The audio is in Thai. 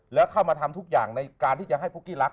แล้วเข้ามาทำทุกอย่างในการที่จะให้ปุ๊กกี้รัก